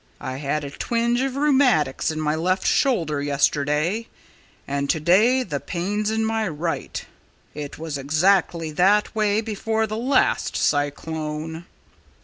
I had a twinge of rheumatics in my left shoulder yesterday; and to day the pain's in my right. It was exactly that way before the last cyclone."